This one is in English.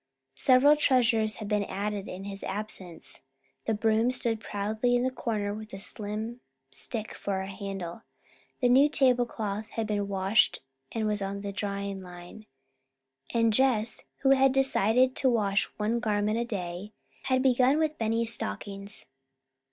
Several treasures had been added in his absence. The broom stood proudly in the corner with a slim stick for a handle. The new tablecloth had been washed and was drying on the line. And Jess, who had decided to wash one garment a day, had begun with Benny's stockings.